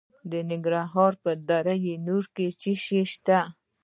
د ننګرهار په دره نور کې څه شی شته؟